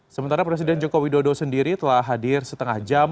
sementara presiden joko widodo sendiri telah hadir setengah jam